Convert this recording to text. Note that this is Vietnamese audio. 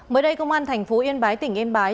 mới đây công an thành phố yên bái tỉnh yên bái